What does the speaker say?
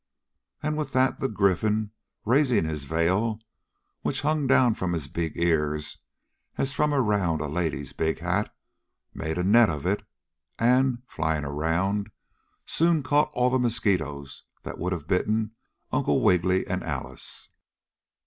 And with that the Gryphon, raising his veil, which hung down from his big ears as from around a lady's big hat, made a net of it and, flying around, soon caught all the mosquitoes that would have bitten Uncle Wiggily and Alice.